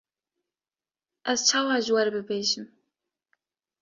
ez çawa ji we re bibêjim.